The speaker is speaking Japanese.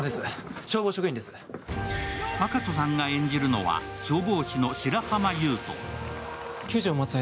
赤楚さんが演じるのは消防士の白浜優斗。